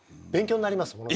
勉強になります。